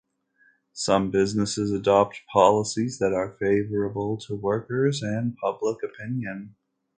Some businesses adopt policies that are favorable to workers and public opinion.